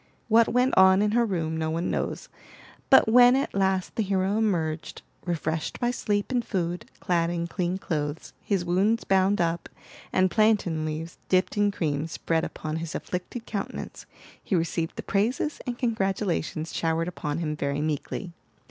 What went on in her room, no one knows; but when at last the hero emerged, refreshed by sleep and food, clad in clean clothes, his wounds bound up, and plantain leaves dipped in cream spread upon his afflicted countenance, he received the praises and congratulations showered upon him very meekly.